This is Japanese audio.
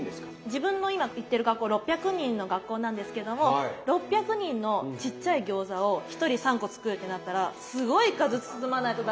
自分の今行ってる学校６００人の学校なんですけども６００人のちっちゃい餃子を１人３個作るってなったらすごい数包まないと駄目じゃないですか。